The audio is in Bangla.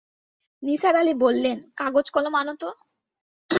নিসার আলি বললেন, কাগজ-কলম আন তো।